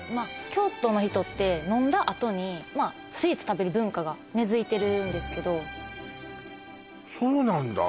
京都の人って飲んだあとにスイーツ食べる文化が根づいてるんですけどそうなんだ